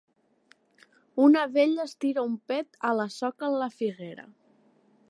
Una vella es tira un pet a la soca la figuera.